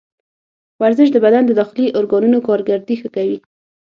ورزش د بدن د داخلي ارګانونو کارکردګي ښه کوي.